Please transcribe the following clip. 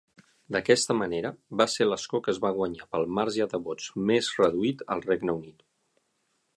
D'aquest manera, va ser l'escó que es va guanyar pel marge de vots més reduït al Regne Unit.